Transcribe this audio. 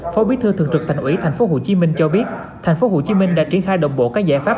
phó bí thư thường trực thành ủy tp hcm cho biết tp hcm đã triển khai đồng bộ các giải pháp